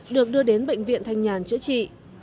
được đưa đến bệnh viện thanh nhàn chữa trị